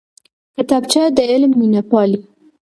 کتابچه د علم مینه پالي